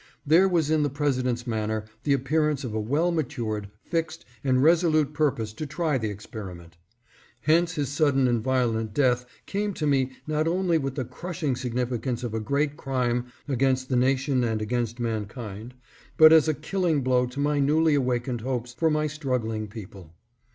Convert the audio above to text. There was in the President's manner the appearance of a well matured, fixed, and resolute purpose to try the experiment. Hence his sudden and violent death came to me, not only with the crushing significance of a great crime against the nation and against mankind, but as a killing blow to my newly awakened hopes for my strug gling people.